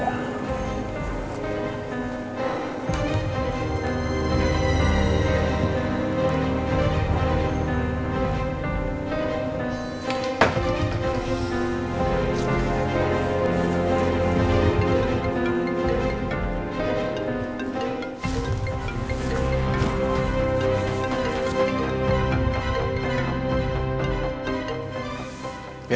ketanyaan aja kali ya